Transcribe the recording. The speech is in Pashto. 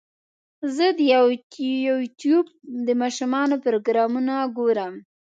زه د یوټیوب د ماشومانو پروګرامونه ګورم.